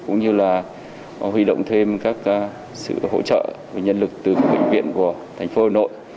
cũng như là huy động thêm các sự hỗ trợ và nhân lực từ các bệnh viện của thành phố hà nội